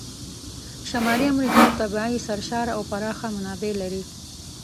شمالي امریکا طبیعي سرشاره او پراخه منابع لري.